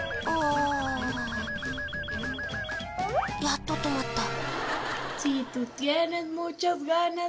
やっと止まった。